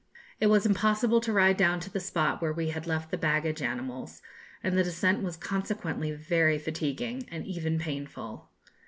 It was impossible to ride down to the spot where we had left the baggage animals, and the descent was consequently very fatiguing, and even painful.